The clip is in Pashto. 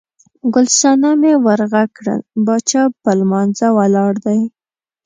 ګل صنمې ور غږ کړل، باچا په لمانځه ولاړ دی.